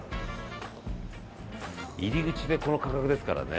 入り口でこの価格ですからね。